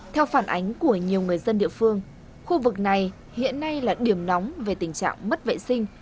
theo phản ánh của nhiều người dân địa phương khu vực này hiện nay là điểm nóng về tình trạng mất vệ sinh